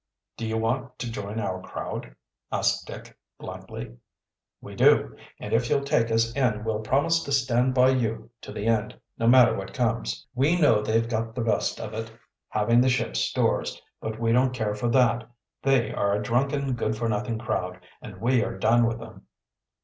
"Do you want to join our crowd?" asked Dick bluntly. "We do, and if you'll take us in we'll promise to stand by you to the end, no matter what comes. We know they've got the best of it having the ship's stores but we don't care for that. They are a drunken, good for nothing crowd, and we are done with them."